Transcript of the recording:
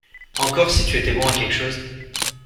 Encore si tu étais bon à quelque chose !…